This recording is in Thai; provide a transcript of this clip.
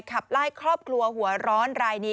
ขับไล่ครอบครัวหัวร้อนรายนี้